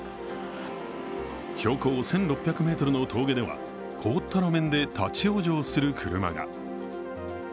標高１６００ｍの路面では凍った路上で立往生する車が。